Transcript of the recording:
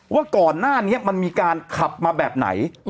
ว่าก่อนหน้านี้มันมีการขับมาแบบไหน